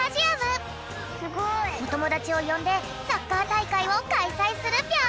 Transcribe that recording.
おともだちをよんでサッカーたいかいをかいさいするぴょん！